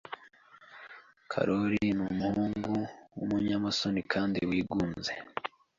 Karoli numuhungu wumunyamasoni kandi wigunze.